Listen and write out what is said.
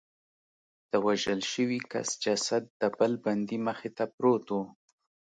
د وژل شوي کس جسد د بل بندي مخې ته پروت و